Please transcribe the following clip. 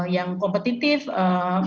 yang kompetitif mereka menguasai pemanfaatan